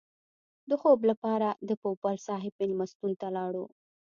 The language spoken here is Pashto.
د خوب لپاره د پوپل صاحب مېلمستون ته لاړو.